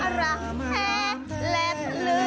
อะระเฮลล์ดลึง